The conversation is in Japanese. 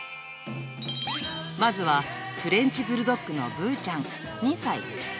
まずはフレンチブルドッグのぶーちゃん２歳。